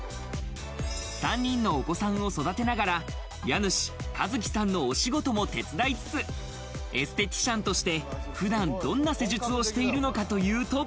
３人のお子さんを育てながら、家主・一騎さんのお仕事も手伝いつつ、エステティシャンとして普段どんな施術をしているのかというと。